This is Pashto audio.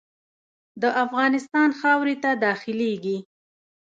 د افغانستان خاورې ته داخلیږي.